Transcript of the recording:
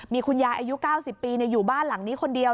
มีคุณยายอายุ๙๐ปีอยู่บ้านหลังนี้คนเดียว